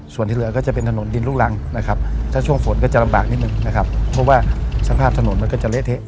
ส่วนที่เหลือก็จะเป็นถนนดินลูกรังนะครับถ้าช่วงฝนก็จะลำบากนิดนึงนะครับเพราะว่าสภาพถนนมันก็จะเละเทะ